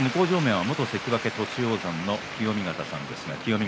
元関脇栃煌山の清見潟さんです。